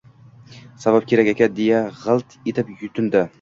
"Savob kerak aka" deya g‘ilt etib yutindi...